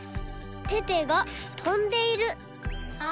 テテがとんでいる。